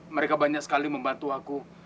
mereka banyak sekali membantu aku